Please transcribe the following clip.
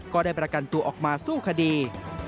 ก็ได้ประกันตัวออกมาสู้คดี